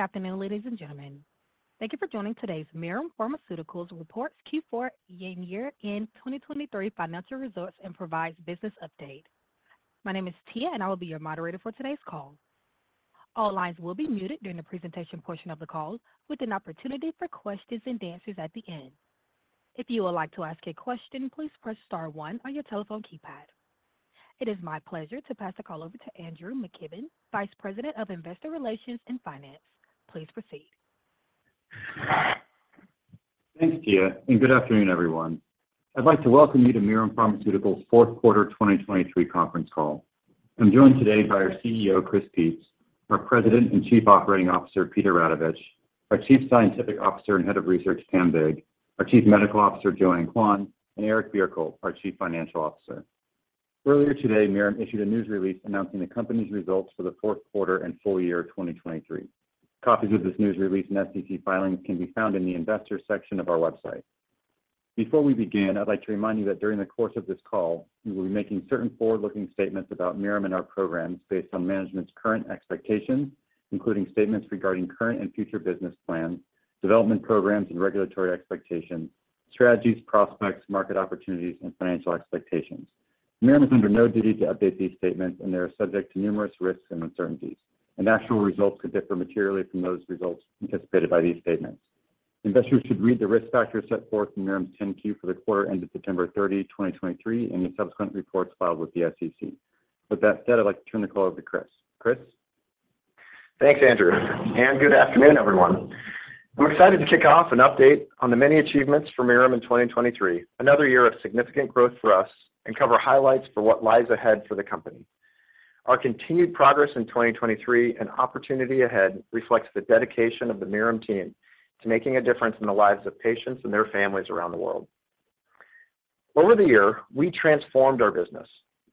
Good afternoon, ladies and gentlemen. Thank you for joining today's Mirum Pharmaceuticals' Q4 year-end 2023 financial results and business update. My name is Tia, and I will be your moderator for today's call. All lines will be muted during the presentation portion of the call, with an opportunity for questions and answers at the end. If you would like to ask a question, please press star 1 on your telephone keypad. It is my pleasure to pass the call over to Andrew McKibben, Vice President of Investor Relations and Finance. Please proceed. Thanks, Tia, and good afternoon, everyone. I'd like to welcome you to Mirum Pharmaceuticals' fourth quarter 2023 conference call. I'm joined today by our CEO, Chris Peetz, our President and Chief Operating Officer, Peter Radovich, our Chief Scientific Officer and Head of Research, Pam Vig, our Chief Medical Officer, Joanne Quan, and Eric Bjerkholt, our Chief Financial Officer. Earlier today, Mirum issued a news release announcing the company's results for the fourth quarter and full year 2023. Copies of this news release and SEC filings can be found in the Investors section of our website. Before we begin, I'd like to remind you that during the course of this call, we will be making certain forward-looking statements about Mirum and our programs based on management's current expectations, including statements regarding current and future business plans, development programs, and regulatory expectations, strategies, prospects, market opportunities, and financial expectations. Mirum is under no duty to update these statements, and they are subject to numerous risks and uncertainties, and actual results could differ materially from those results anticipated by these statements. Investors should read the risk factors set forth in Mirum's 10-Q for the quarter ended September 30, 2023, and the subsequent reports filed with the SEC. With that said, I'd like to turn the call over to Chris. Chris? Thanks, Andrew, and good afternoon, everyone. I'm excited to kick off an update on the many achievements for Mirum in 2023, another year of significant growth for us, and cover highlights for what lies ahead for the company. Our continued progress in 2023 and opportunity ahead reflects the dedication of the Mirum team to making a difference in the lives of patients and their families around the world. Over the year, we transformed our business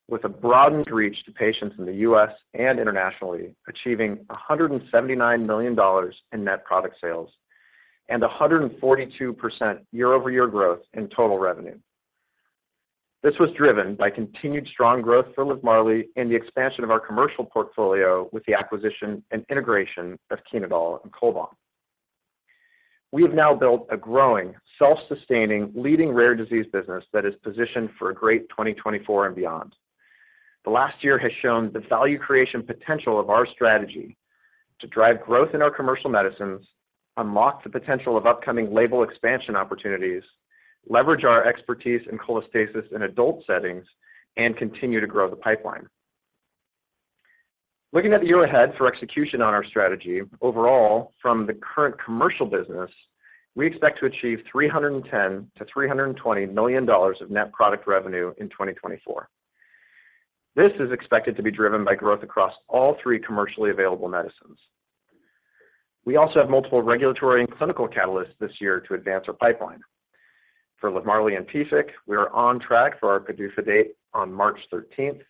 with a broadened reach to patients in the US and internationally, achieving $179 million in net product sales and 142% year-over-year growth in total revenue. This was driven by continued strong growth for LIVMARLI and the expansion of our commercial portfolio with the acquisition and integration of Chenodal and Cholbam. We have now built a growing, self-sustaining, leading rare disease business that is positioned for a great 2024 and beyond. The last year has shown the value creation potential of our strategy to drive growth in our commercial medicines, unlock the potential of upcoming label expansion opportunities, leverage our expertise in cholestasis in adult settings, and continue to grow the pipeline. Looking at the year ahead for execution on our strategy, overall, from the current commercial business, we expect to achieve $310 million-$320 million of net product revenue in 2024. This is expected to be driven by growth across all three commercially available medicines. We also have multiple regulatory and clinical catalysts this year to advance our pipeline. For LIVMARLI and PFIC, we are on track for our PDUFA date on March 13th.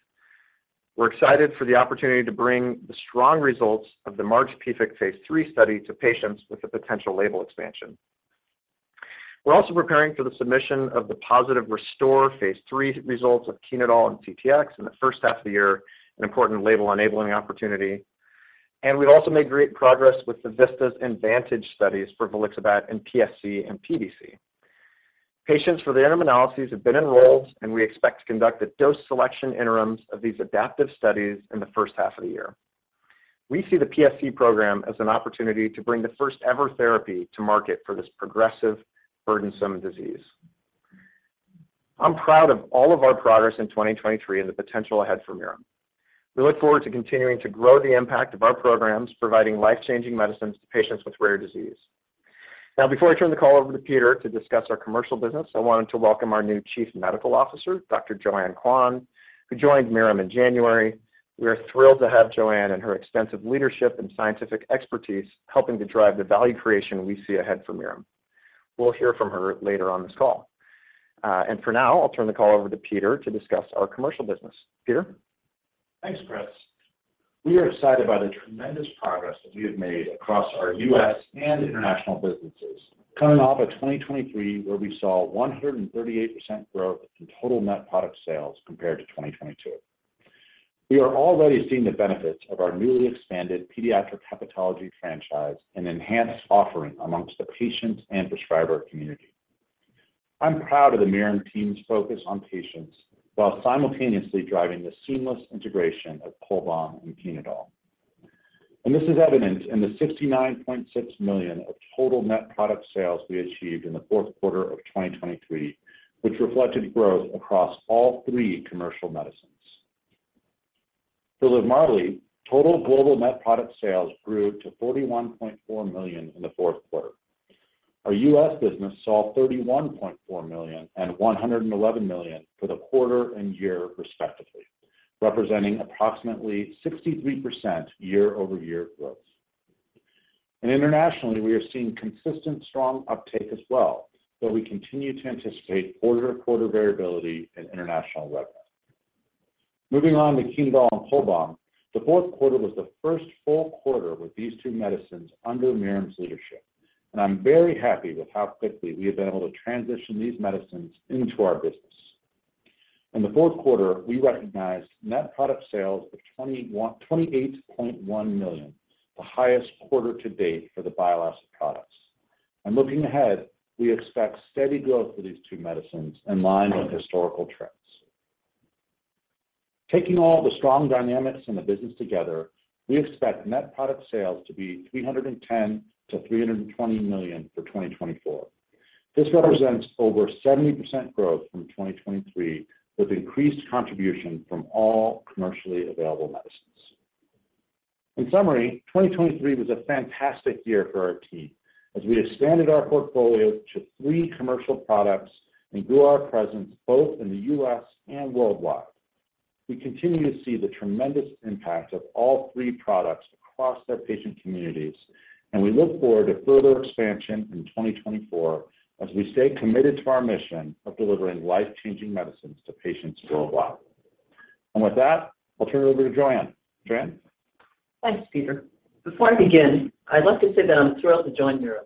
We're excited for the opportunity to bring the strong results of the MARCH PFIC phase 3 study to patients with the potential label expansion. We're also preparing for the submission of the Positive RESTORE phase 3 results of Chenodal and CTX in the first half of the year, an important label enabling opportunity. We've also made great progress with the VISTAS and VANTAGE studies for volixibat and PSC and PBC. Patients for the interim analyses have been enrolled, and we expect to conduct the dose selection interims of these adaptive studies in the first half of the year. We see the PSC program as an opportunity to bring the first-ever therapy to market for this progressive, burdensome disease. I'm proud of all of our progress in 2023 and the potential ahead for Mirum. We look forward to continuing to grow the impact of our programs, providing life-changing medicines to patients with rare disease. Now, before I turn the call over to Peter to discuss our commercial business, I wanted to welcome our new Chief Medical Officer, Dr. Joanne Quan, who joined Mirum in January. We are thrilled to have Joanne and her extensive leadership and scientific expertise helping to drive the value creation we see ahead for Mirum. We'll hear from her later on this call. For now, I'll turn the call over to Peter to discuss our commercial business. Peter? Thanks, Chris. We are excited by the tremendous progress that we have made across our U.S. and international businesses, coming off of 2023 where we saw 138% growth in total net product sales compared to 2022. We are already seeing the benefits of our newly expanded pediatric hepatology franchise and enhanced offering amongst the patient and prescriber community. I'm proud of the Mirum team's focus on patients while simultaneously driving the seamless integration of Cholbam and Chenodal. This is evident in the $69.6 million of total net product sales we achieved in the fourth quarter of 2023, which reflected growth across all three commercial medicines. For LIVMARLI, total global net product sales grew to $41.4 million in the fourth quarter. Our U.S. business saw $31.4 million and $111 million for the quarter and year, respectively, representing approximately 63% year-over-year growth. Internationally, we are seeing consistent, strong uptake as well, though we continue to anticipate quarter-to-quarter variability in international revenue. Moving on to Chenodal and Cholbam, the fourth quarter was the first full quarter with these two medicines under Mirum's leadership, and I'm very happy with how quickly we have been able to transition these medicines into our business. In the fourth quarter, we recognized net product sales of $28.1 million, the highest quarter to date for the bile acid products. And looking ahead, we expect steady growth for these two medicines in line with historical trends. Taking all the strong dynamics in the business together, we expect net product sales to be $310 million-$320 million for 2024. This represents over 70% growth from 2023, with increased contribution from all commercially available medicines. In summary, 2023 was a fantastic year for our team as we expanded our portfolio to three commercial products and grew our presence both in the U.S. and worldwide. We continue to see the tremendous impact of all three products across our patient communities, and we look forward to further expansion in 2024 as we stay committed to our mission of delivering life-changing medicines to patients worldwide. With that, I'll turn it over to Joanne. Joanne? Thanks, Peter. Before I begin, I'd like to say that I'm thrilled to join Mirum.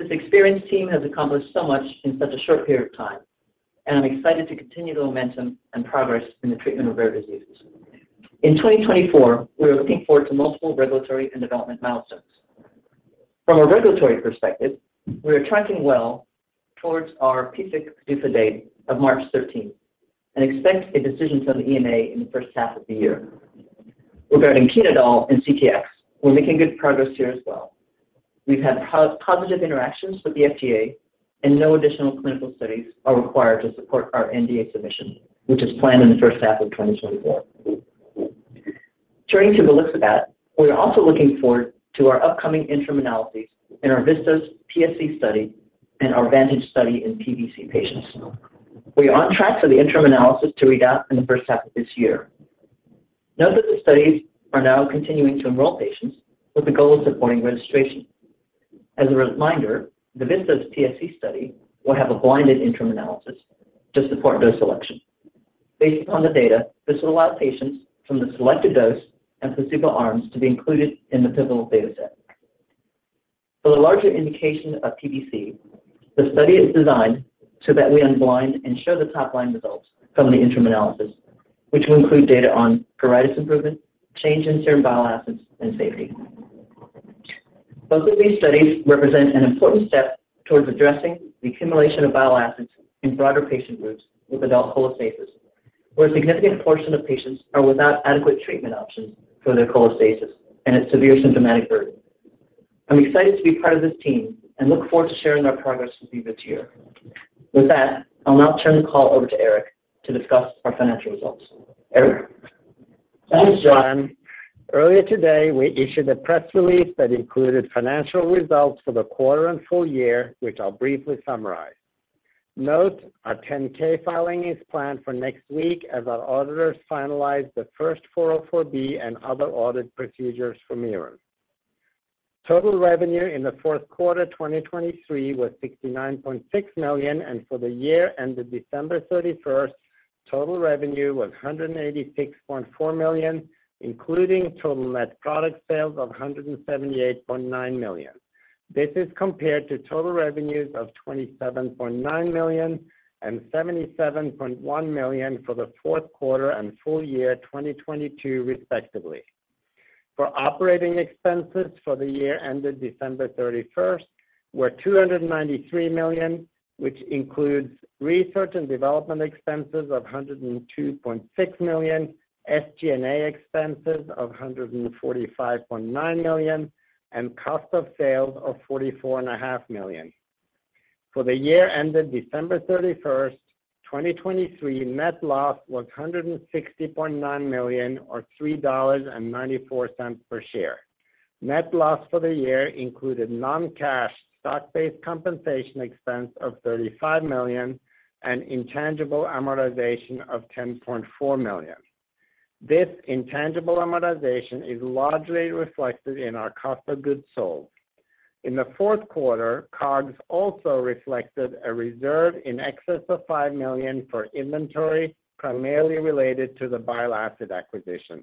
This experienced team has accomplished so much in such a short period of time, and I'm excited to continue the momentum and progress in the treatment of rare diseases. In 2024, we are looking forward to multiple regulatory and development milestones. From a regulatory perspective, we are tracking well towards our PFIC PDUFA date of March 13th and expect a decision from the EMA in the first half of the year. Regarding Chenodal and CTX, we're making good progress here as well. We've had positive interactions with the FDA, and no additional clinical studies are required to support our NDA submission, which is planned in the first half of 2024. Turning to volixibat, we are also looking forward to our upcoming interim analyses in our VISTAS PSC study and our VANTAGE study in PBC patients. We are on track for the interim analysis to read out in the first half of this year. Note that the studies are now continuing to enroll patients with the goal of supporting registration. As a reminder, the VISTAS PSC study will have a blinded interim analysis to support dose selection. Based upon the data, this will allow patients from the selected dose and placebo arms to be included in the pivotal dataset. For the larger indication of PBC, the study is designed so that we unblind and show the top-line results from the interim analysis, which will include data on pruritus improvement, change in serum bile acids, and safety. Both of these studies represent an important step towards addressing the accumulation of bile acids in broader patient groups with adult cholestasis, where a significant portion of patients are without adequate treatment options for their cholestasis and its severe symptomatic burden. I'm excited to be part of this team and look forward to sharing our progress with you this year. With that, I'll now turn the call over to Eric to discuss our financial results. Eric? Thanks, Joanne. Earlier today, we issued a press release that included financial results for the quarter and full year, which I'll briefly summarize. Note, our 10-K filing is planned for next week as our auditors finalize the first 404(b) and other audit procedures for Mirum. Total revenue in the fourth quarter 2023 was $69.6 million, and for the year ended December 31st, total revenue was $186.4 million, including total net product sales of $178.9 million. This is compared to total revenues of $27.9 million and $77.1 million for the fourth quarter and full year 2022, respectively. For operating expenses for the year ended December 31st, we're $293 million, which includes research and development expenses of $102.6 million, SG&A expenses of $145.9 million, and cost of sales of $44.5 million. For the year ended December 31st, 2023, net loss was $160.9 million or $3.94 per share. Net loss for the year included non-cash stock-based compensation expense of $35 million and intangible amortization of $10.4 million. This intangible amortization is largely reflected in our cost of goods sold. In the fourth quarter, COGS also reflected a reserve in excess of $5 million for inventory, primarily related to the bile acid acquisition.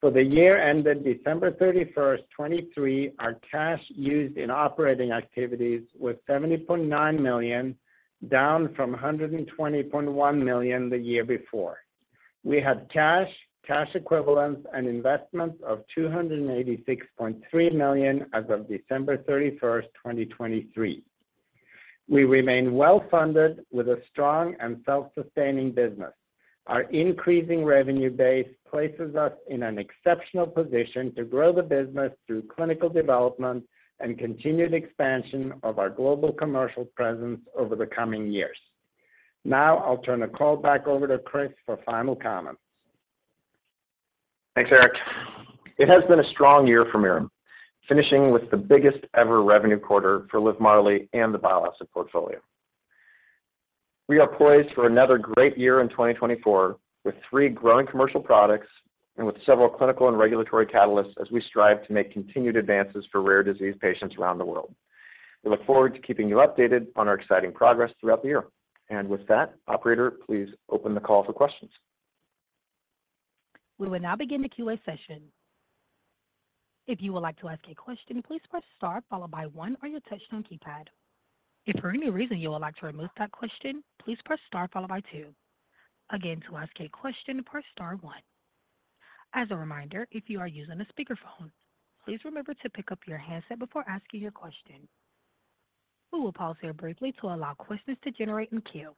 For the year ended December 31st, 2023, our cash used in operating activities was $70.9 million, down from $120.1 million the year before. We had cash, cash equivalents, and investments of $286.3 million as of December 31st, 2023. We remain well-funded with a strong and self-sustaining business. Our increasing revenue base places us in an exceptional position to grow the business through clinical development and continued expansion of our global commercial presence over the coming years. Now, I'll turn the call back over to Chris for final comments. Thanks, Eric. It has been a strong year for Mirum, finishing with the biggest-ever revenue quarter for LIVMARLI and the full breadth of our portfolio. We are poised for another great year in 2024 with three growing commercial products and with several clinical and regulatory catalysts as we strive to make continued advances for rare disease patients around the world. We look forward to keeping you updated on our exciting progress throughout the year. And with that, operator, please open the call for questions. We will now begin the Q&A session. If you would like to ask a question, please press star followed by one on your touch-tone keypad. If for any reason you would like to remove that question, please press star followed by two. Again, to ask a question, press star one. As a reminder, if you are using a speakerphone, please remember to pick up your handset before asking your question. We will pause here briefly to allow questions to generate in queue.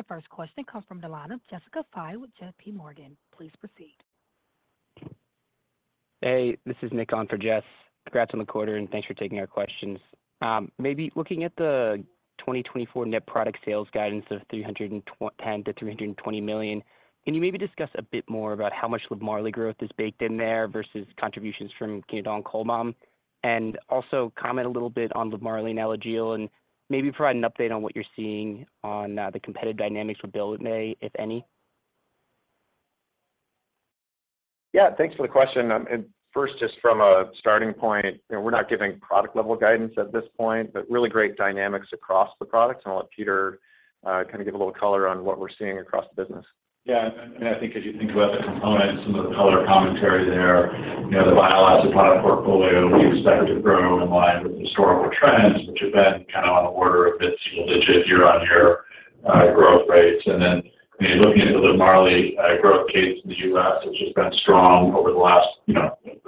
The first question comes from the line of Jessica Fye with JPMorgan. Please proceed. Hey, this is Nick on for Jess. Congrats on the quarter, and thanks for taking our questions. Maybe looking at the 2024 net product sales guidance of $310 million-$320 million, can you maybe discuss a bit more about how much LIVMARLI growth is baked in there versus contributions from Chenodal and Cholbam, and also comment a little bit on LIVMARLI and Alagille, and maybe provide an update on what you're seeing on the competitive dynamics with Bylvay, if any? Yeah, thanks for the question. First, just from a starting point, we're not giving product-level guidance at this point, but really great dynamics across the products. I'll let Peter kind of give a little color on what we're seeing across the business. Yeah. And I think as you think about the components, some of the color commentary there, the bile acid product portfolio, we expect to grow in line with historical trends, which have been kind of on the order of its single-digit year-on-year growth rates. And then looking at the LIVMARLI growth cadence in the US, which has been strong over the last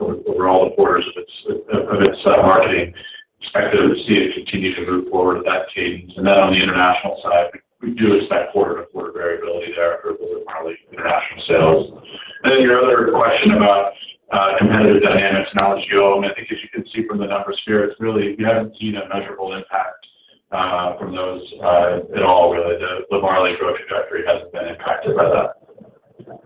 over all the quarters of its marketing, expect to see it continue to move forward at that cadence. And then on the international side, we do expect quarter-to-quarter variability there for the LIVMARLI international sales. And then your other question about competitive dynamics and Alagille, I mean, I think as you can see from the numbers here, it's really we haven't seen a measurable impact from those at all, really. The LIVMARLI growth trajectory hasn't been impacted by that.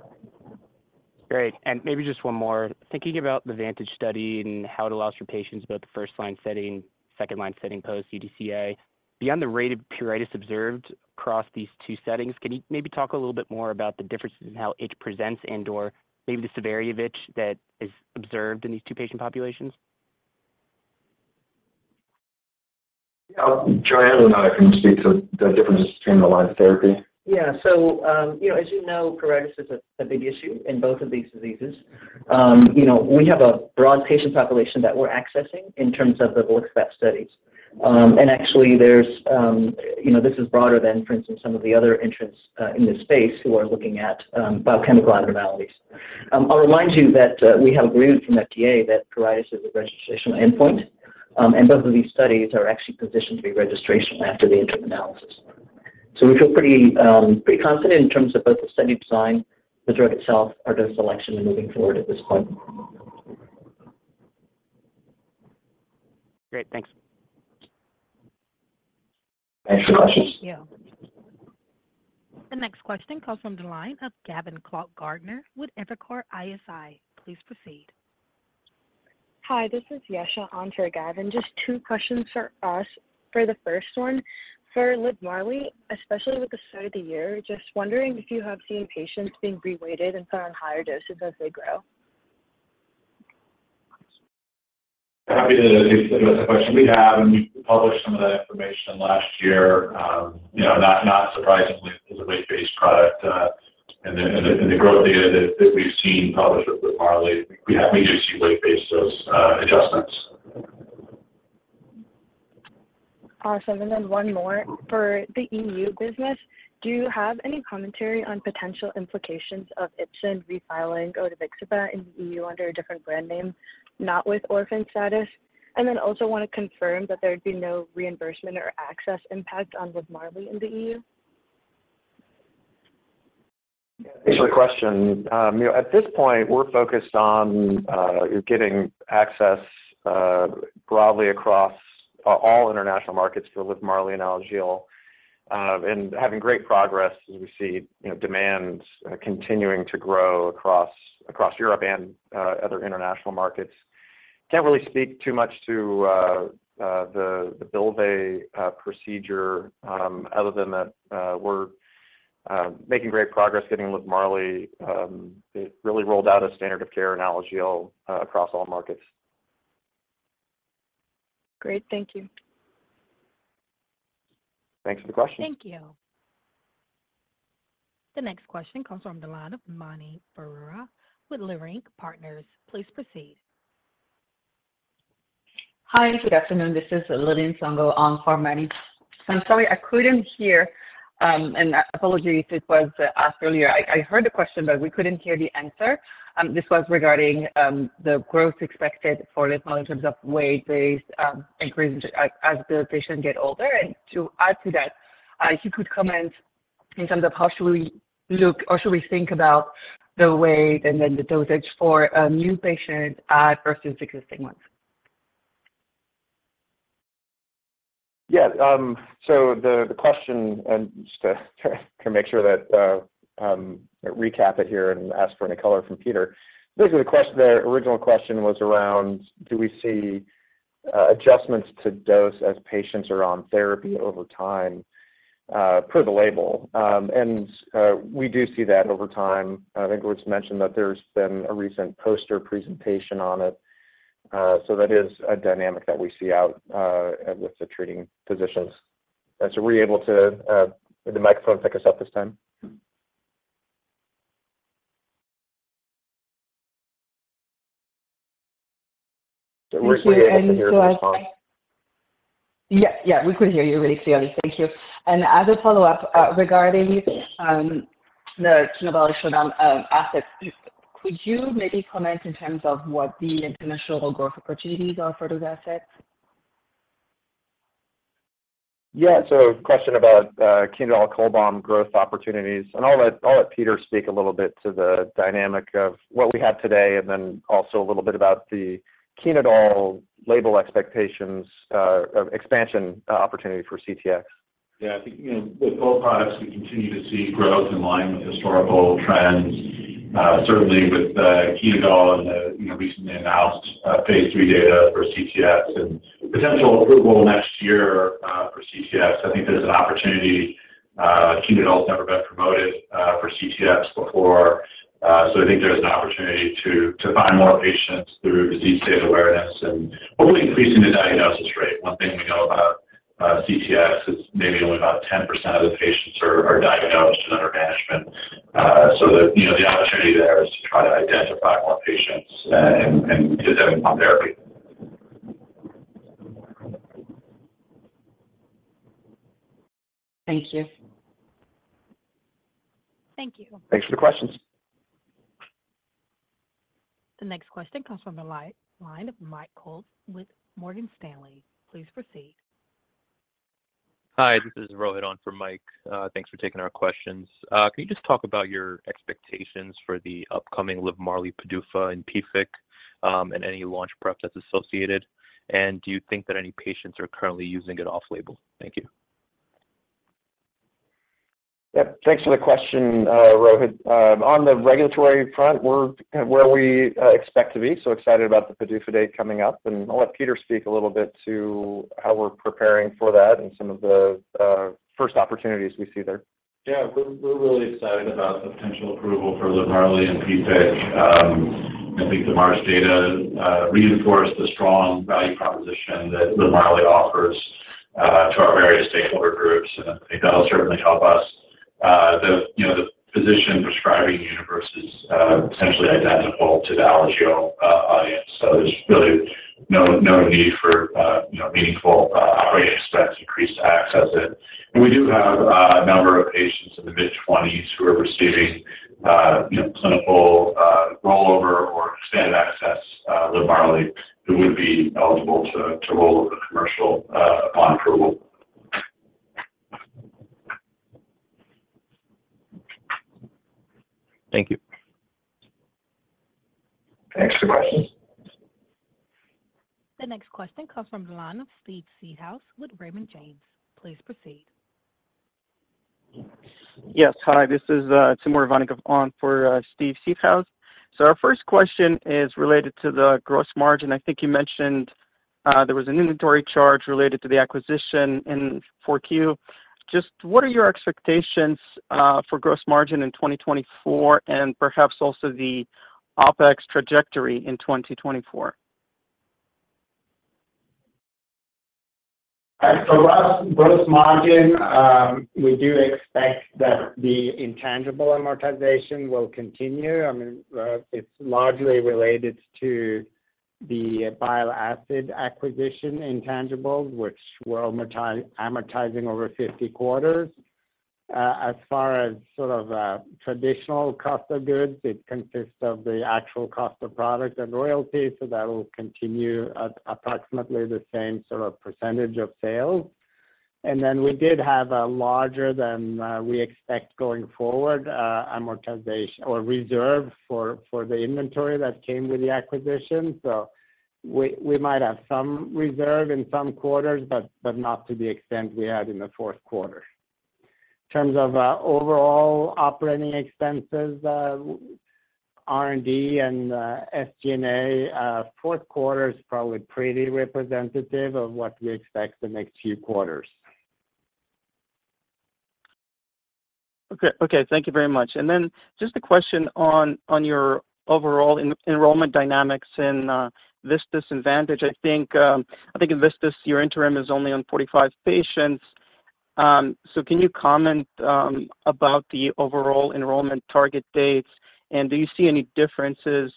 Great. Maybe just one more. Thinking about the VANTAGE study and how it allows for patients both the first-line setting and second-line setting post-UDCA, beyond the rate of pruritus observed across these two settings, can you maybe talk a little bit more about the differences in how it presents and/or maybe the severity of it that is observed in these two patient populations? Yeah. Joanne and I can speak to the differences between the lines of therapy. Yeah. So as you know, pruritus is a big issue in both of these diseases. We have a broad patient population that we're accessing in terms of the volixibat studies. And actually, this is broader than, for instance, some of the other entrants in this space who are looking at biochemical abnormalities. I'll remind you that we have agreed from FDA that pruritus is a registration endpoint, and both of these studies are actually positioned to be registration after the interim analysis. So we feel pretty confident in terms of both the study design, the drug itself, our dose selection, and moving forward at this point. Great. Thanks. Thanks for the questions. Yeah. The next question comes from the line of Gavin Clark-Gartner with Evercore ISI. Please proceed. Hi, this is Yasha on for Gavin. Just two questions for us. For the first one, for LIVMARLI, especially with the start of the year, just wondering if you have seen patients being reweighted and put on higher doses as they grow? Happy to answer that question. We have, and we published some of that information last year. Not surprisingly, it's a weight-based product. And the growth data that we've seen published with LIVMARLI, we do see weight-based dose adjustments. Awesome. And then one more. For the EU business, do you have any commentary on potential implications of Ipsen refiling odevixibat in the EU under a different brand name, not with orphan status? And then also want to confirm that there'd be no reimbursement or access impact on LIVMARLI in the EU. Yeah, thanks for the question. At this point, we're focused on getting access broadly across all international markets for LIVMARLI and Alagille and having great progress as we see demand continuing to grow across Europe and other international markets. Can't really speak too much to the Bylvay procedure other than that we're making great progress getting LIVMARLI. It really rolled out a standard of care in Alagille across all markets. Great. Thank you. Thanks for the question. Thank you. The next question comes from the line of Mani Foroohar with Leerink Partners. Please proceed. Hi, good afternoon. This is Lili Nsongo on for Manny. So I'm sorry I couldn't hear, and apologies if it was asked earlier. I heard the question, but we couldn't hear the answer. This was regarding the growth expected for LIVMARLI in terms of weight-based increase as the patient gets older. And to add to that, if you could comment in terms of how should we look or should we think about the weight and then the dosage for a new patient versus existing ones? Yeah. So the question, and just to make sure to recap it here and ask for any color from Peter, basically, the original question was around, do we see adjustments to dose as patients are on therapy over time, per the label? And we do see that over time. I think we just mentioned that there's been a recent poster presentation on it. So that is a dynamic that we see out with the treating physicians. So were you able to? Did the microphone pick us up this time? So we're able to hear your response. Yeah. Yeah, we could hear you really clearly. Thank you. And as a follow-up regarding the Chenodal and Cholbam assets, could you maybe comment in terms of what the international growth opportunities are for those assets? Yeah. So a question about Chenodal and Cholbam growth opportunities. I'll let Peter speak a little bit to the dynamic of what we have today and then also a little bit about the Chenodal label expectations of expansion opportunity for CTX. Yeah. I think with both products, we continue to see growth in line with historical trends, certainly with Chenodal and the recently announced phase 3 data for CTX and potential approval next year for CTX. I think there's an opportunity. Chenodal has never been promoted for CTX before. So I think there's an opportunity to find more patients through disease state awareness and hopefully increasing the diagnosis rate. One thing we know about CTX is maybe only about 10% of the patients are diagnosed and under management. So the opportunity there is to try to identify more patients and get them on therapy. Thank you. Thank you. Thanks for the questions. The next question comes from the line of Michael Ulz with Morgan Stanley. Please proceed. Hi, this is Rohit on for Mike. Thanks for taking our questions. Can you just talk about your expectations for the upcoming LIVMARLI PDUFA and PFIC and any launch prep that's associated? And do you think that any patients are currently using it off-label? Thank you. Yep. Thanks for the question, Rohit. On the regulatory front, we're where we expect to be. So excited about the PDUFA date coming up. I'll let Peter speak a little bit to how we're preparing for that and some of the first opportunities we see there. Yeah. We're really excited about the potential approval for LIVMARLI and PFIC. I think the March data reinforced the strong value proposition that LIVMARLI offers to our various stakeholder groups. And I think that'll certainly help us. The physician prescribing universe is essentially identical to the Alagille audience. So there's really no need for meaningful operating expense increase to access it. And we do have a number of patients in the mid-20s who are receiving clinical rollover or expanded access LIVMARLI who would be eligible to roll over commercial upon approval. Thank you. Thanks for the questions. The next question comes from the line of Steve Seedhouse with Raymond James. Please proceed. Yes. Hi. This is Timur Ivannikov on for Steve Seedhouse. Our first question is related to the gross margin. I think you mentioned there was an inventory charge related to the acquisition in 4Q. Just what are your expectations for gross margin in 2024 and perhaps also the OpEx trajectory in 2024? Gross margin, we do expect that the intangible amortization will continue. I mean, it's largely related to the bile acid acquisition intangibles, which we're amortizing over 50 quarters. As far as sort of traditional cost of goods, it consists of the actual cost of product and royalties. So that will continue approximately the same sort of percentage of sales. And then we did have a larger than we expect going forward reserve for the inventory that came with the acquisition. So we might have some reserve in some quarters, but not to the extent we had in the fourth quarter. In terms of overall operating expenses, R&D and SG&A, fourth quarter is probably pretty representative of what we expect the next few quarters. Okay. Okay. Thank you very much. And then just a question on your overall enrollment dynamics in VISTAS and VANTAGE. I think in VISTAS, your interim is only on 45 patients. So can you comment about the overall enrollment target dates? And do you see any differences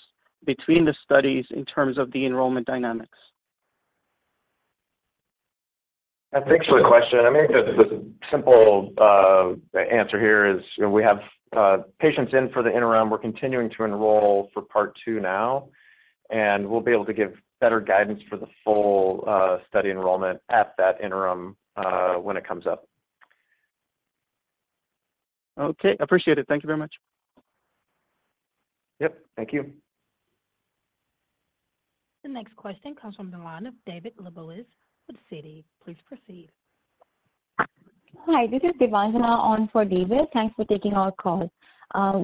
between the studies in terms of the enrollment dynamics? Yeah. Thanks for the question. I mean, the simple answer here is we have patients in for the interim. We're continuing to enroll for part two now. And we'll be able to give better guidance for the full study enrollment at that interim when it comes up. Okay. Appreciate it. Thank you very much. Yep. Thank you. The next question comes from the line of David Lebowitz with Citi. Please proceed. Hi. This is Devangana on for David. Thanks for taking our call.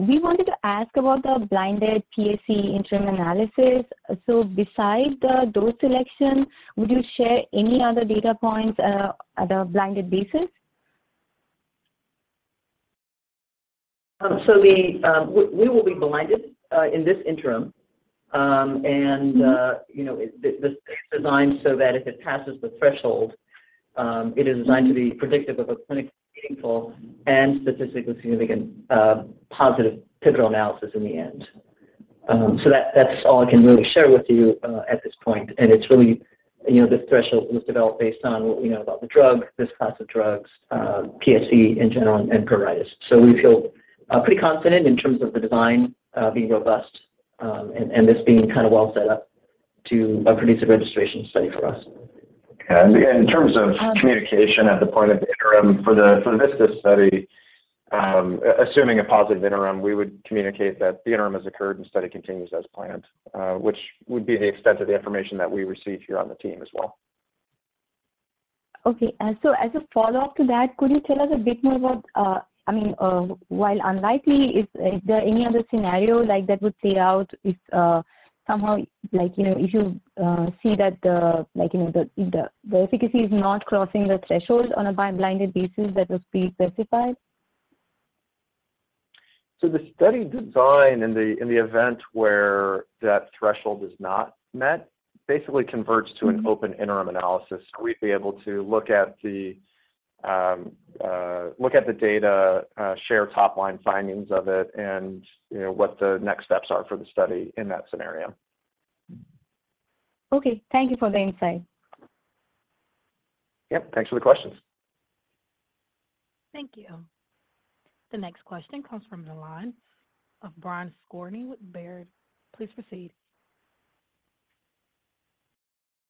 We wanted to ask about the blinded PSC interim analysis. So besides the dose selection, would you share any other data points at a blinded basis? We will be blinded in this interim. The study is designed so that if it passes the threshold, it is designed to be predictive of a clinically meaningful and statistically significant positive pivotal analysis in the end. That's all I can really share with you at this point. It's really this threshold was developed based on what we know about the drug, this class of drugs, PBC in general, and pruritus. We feel pretty confident in terms of the design being robust and this being kind of well set up to produce a registration study for us. Okay. In terms of communication at the point of interim for the VISTAS study, assuming a positive interim, we would communicate that the interim has occurred and study continues as planned, which would be the extent of the information that we receive here on the team as well. Okay. So as a follow-up to that, could you tell us a bit more about—I mean, while unlikely, is there any other scenario that would play out if somehow you see that the efficacy is not crossing the threshold on a blinded basis that will be specified? The study design, in the event where that threshold is not met, basically converts to an open interim analysis. We'd be able to look at the data, share top-line findings of it, and what the next steps are for the study in that scenario. Okay. Thank you for the insight. Yep. Thanks for the questions. Thank you. The next question comes from the line of Brian Skorney with Baird. Please proceed.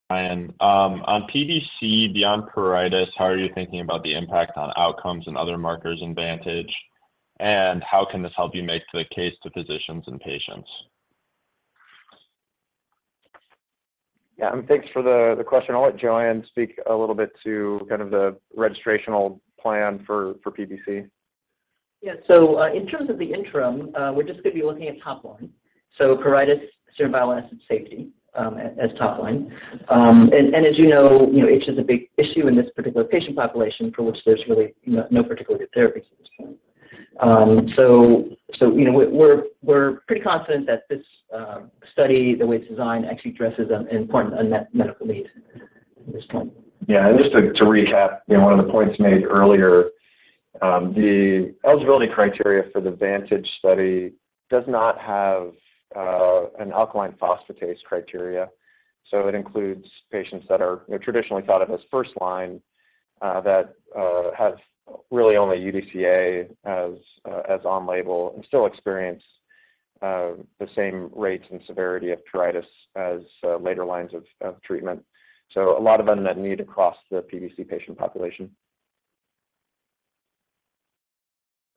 Brian, on PBC beyond pruritus, how are you thinking about the impact on outcomes and other markers in VANTAGE? How can this help you make the case to physicians and patients? Yeah. And thanks for the question. I'll let Joanne speak a little bit to kind of the registrational plan for PBC. Yeah. So in terms of the interim, we're just going to be looking at top line. So pruritus, serum bile acid safety as top line. And as you know, itch is a big issue in this particular patient population for which there's really no particular good therapies at this point. So we're pretty confident that this study, the way it's designed, actually addresses an important unmet medical need at this point. Yeah. Just to recap one of the points made earlier, the eligibility criteria for the VANTAGE study does not have an alkaline phosphatase criteria. So it includes patients that are traditionally thought of as first line that have really only UDCA as on-label and still experience the same rates and severity of pruritus as later lines of treatment. So a lot of unmet need across the PBC patient population.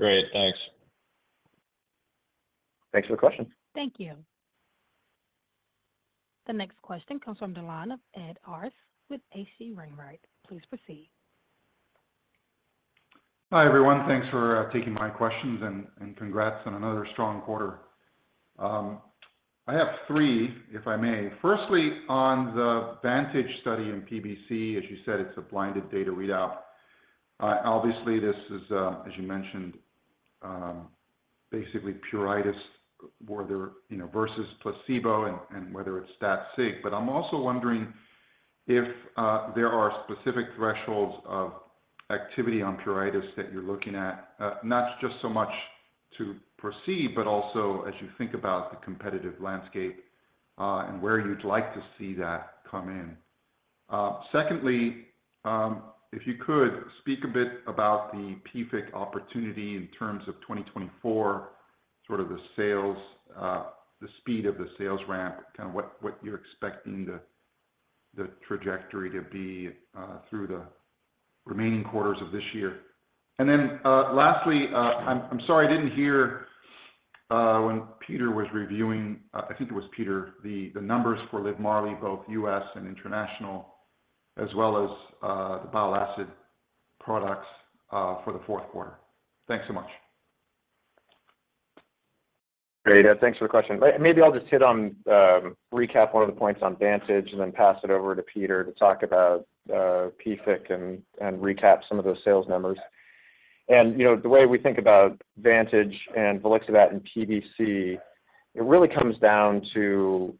Great. Thanks. Thanks for the question. Thank you. The next question comes from the line of Ed Arce with H.C. Wainwright. Please proceed. Hi, everyone. Thanks for taking my questions and congrats on another strong quarter. I have three, if I may. Firstly, on the VANTAGE study in PBC, as you said, it's a blinded data readout. Obviously, this is, as you mentioned, basically pruritus versus placebo and whether it's stat sig. But I'm also wondering if there are specific thresholds of activity on pruritus that you're looking at, not just so much the p-value, but also as you think about the competitive landscape and where you'd like to see that come in. Secondly, if you could speak a bit about the PFIC opportunity in terms of 2024, sort of the speed of the sales ramp, kind of what you're expecting the trajectory to be through the remaining quarters of this year. And then lastly, I'm sorry I didn't hear when Peter was reviewing, I think it was Peter, the numbers for LIVMARLI, both US and international, as well as the bile acid products for the fourth quarter. Thanks so much. Great. Thanks for the question. Maybe I'll just hit on recap one of the points on VANTAGE and then pass it over to Peter to talk about PFIC and recap some of those sales numbers. And the way we think about VANTAGE and volixibat in PBC, it really comes down to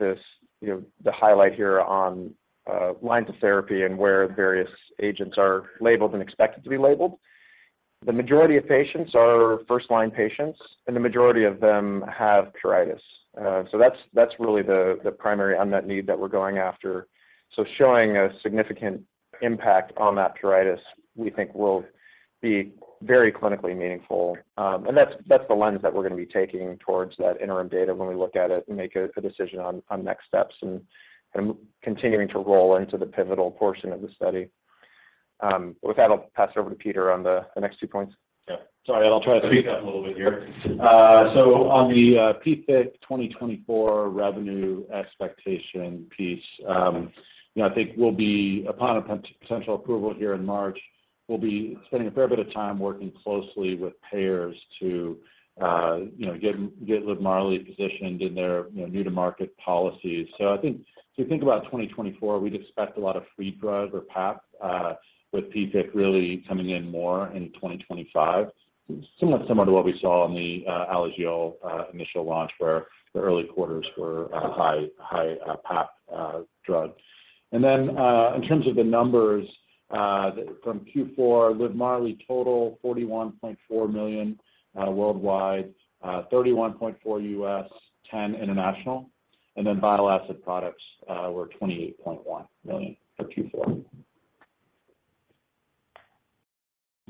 the highlight here on lines of therapy and where various agents are labeled and expected to be labeled. The majority of patients are first-line patients, and the majority of them have pruritus. So that's really the primary unmet need that we're going after. So showing a significant impact on that pruritus, we think, will be very clinically meaningful. And that's the lens that we're going to be taking towards that interim data when we look at it and make a decision on next steps and continuing to roll into the pivotal portion of the study. With that, I'll pass it over to Peter on the next two points. Yeah. Sorry. I'll try to speed up a little bit here. So on the PFIC 2024 revenue expectation piece, I think upon a potential approval here in March, we'll be spending a fair bit of time working closely with payers to get LIVMARLI positioned in their new-to-market policies. So if you think about 2024, we'd expect a lot of free drug or PAP with PFIC really coming in more in 2025, somewhat similar to what we saw in the Alagille initial launch where the early quarters were high PAP drug. And then in terms of the numbers from Q4, LIVMARLI total $41.4 million worldwide, $31.4 million U.S., $10 million international. And then bile acid products were $28.1 million for Q4.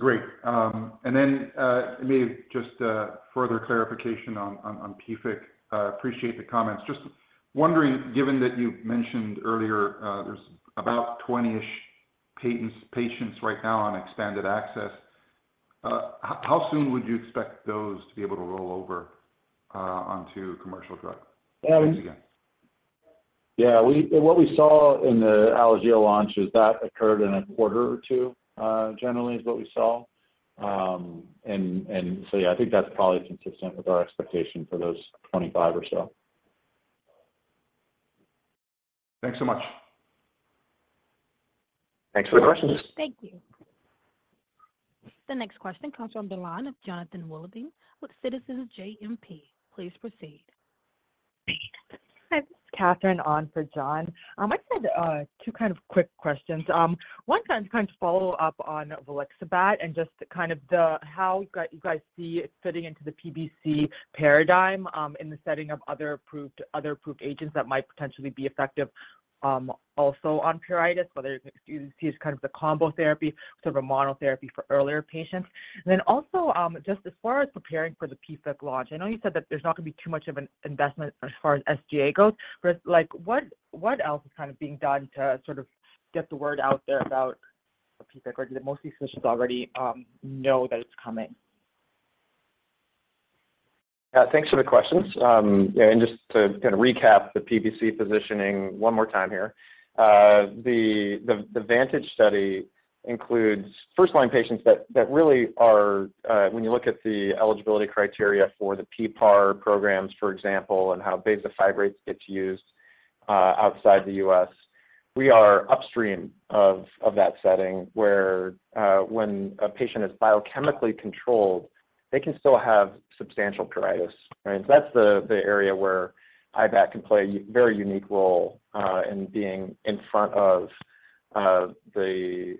Great. And then maybe just further clarification on PFIC. Appreciate the comments. Just wondering, given that you mentioned earlier there's about 20-ish patients right now on expanded access, how soon would you expect those to be able to roll over onto commercial drugs once again? Yeah. What we saw in the Alagille launch is that occurred in a quarter or two, generally, is what we saw. And so yeah, I think that's probably consistent with our expectation for those 25 or so. Thanks so much. Thanks for the questions. Thank you. The next question comes from the line of Jonathan Wolleben with Citizens JMP. Please proceed. Hi. This is Catherine on for John. I just had two kind of quick questions. One kind of to follow up on volixibat and just kind of how you guys see it fitting into the PBC paradigm in the setting of other approved agents that might potentially be effective also on pruritus, whether you see it as kind of the combo therapy, sort of a monotherapy for earlier patients. And then also, just as far as preparing for the PFIC launch, I know you said that there's not going to be too much of an investment as far as SG&A goes, but what else is kind of being done to sort of get the word out there about PFIC, or do the most of these physicians already know that it's coming? Yeah. Thanks for the questions. And just to kind of recap the PBC positioning one more time here, the VANTAGE study includes first-line patients that really are when you look at the eligibility criteria for the PPAR programs, for example, and how bezafibrates get used outside the US, we are upstream of that setting where when a patient is biochemically controlled, they can still have substantial pruritus. Right? So that's the area where IBAT can play a very unique role in being in front of the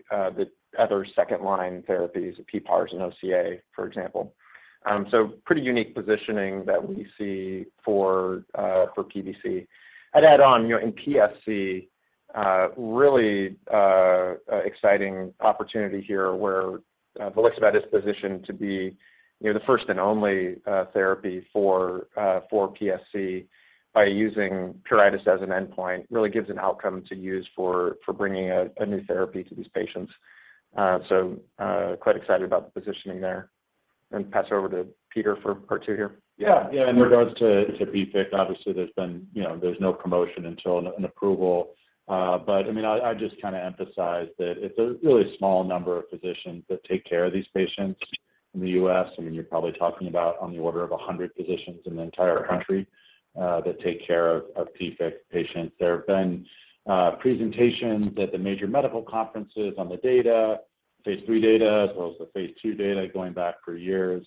other second-line therapies, PPARs and OCA, for example. So pretty unique positioning that we see for PBC. I'd add on, in PSC, really exciting opportunity here where volixibat is positioned to be the first and only therapy for PSC by using pruritus as an endpoint really gives an outcome to use for bringing a new therapy to these patients. Quite excited about the positioning there. Pass over to Peter for part two here. Yeah. Yeah. In regards to PFIC, obviously, there's no promotion until an approval. But I mean, I'd just kind of emphasize that it's a really small number of physicians that take care of these patients in the U.S. I mean, you're probably talking about on the order of 100 physicians in the entire country that take care of PFIC patients. There have been presentations at the major medical conferences on the data, phase 3 data, as well as the phase 2 data going back for years.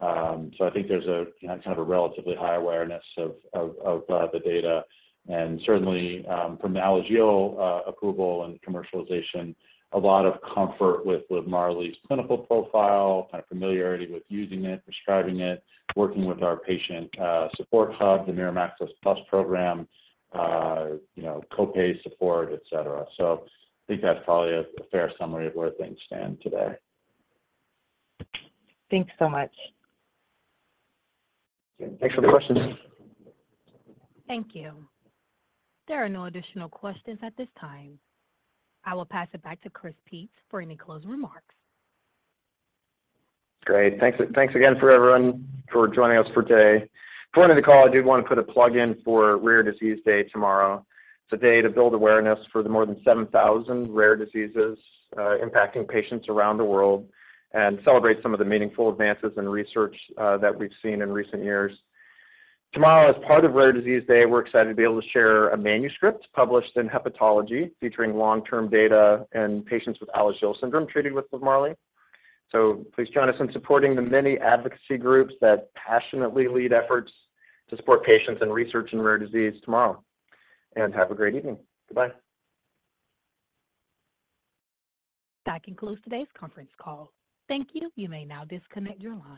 So I think there's kind of a relatively high awareness of the data. And certainly, from the Alagille approval and commercialization, a lot of comfort with LIVMARLI's clinical profile, kind of familiarity with using it, prescribing it, working with our patient support hub, the Mirum Access Plus program, copay support, etc. So I think that's probably a fair summary of where things stand today. Thanks so much. Thanks for the questions. Thank you. There are no additional questions at this time. I will pass it back to Chris Peetz for any closing remarks. Great. Thanks again for everyone for joining us for today. Before I end the call, I did want to put a plug-in for Rare Disease Day tomorrow. It's a day to build awareness for the more than 7,000 rare diseases impacting patients around the world and celebrate some of the meaningful advances in research that we've seen in recent years. Tomorrow, as part of Rare Disease Day, we're excited to be able to share a manuscript published in Hepatology featuring long-term data and patients with Alagille syndrome treated with LIVMARLI. So please join us in supporting the many advocacy groups that passionately lead efforts to support patients in research in rare disease tomorrow. And have a great evening. Goodbye. That concludes today's conference call. Thank you. You may now disconnect your line.